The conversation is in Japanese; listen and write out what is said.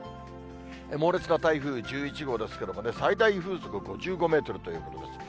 猛烈な台風１１号ですけれどもね、最大風速５５メートルということです。